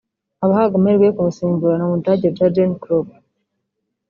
Abahabwa amahirwe yo kumusimbura ni umudage Jurgen Klopp